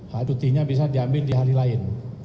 hak cutinya bisa diambil di hari lain